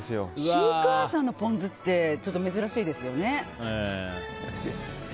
シークヮーサーのポン酢って珍しいですよね。